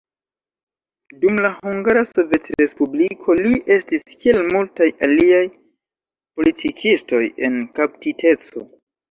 Dum la Hungara Sovetrespubliko, li estis kiel multaj aliaj politikistoj, en kaptiteco.